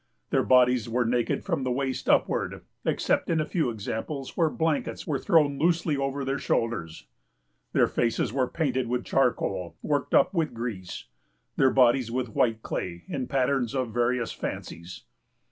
Their bodies were naked from the waist upward, except in a few examples, where blankets were thrown loosely over the shoulders. Their faces were painted with charcoal, worked up with grease, their bodies with white clay, in patterns of various fancies.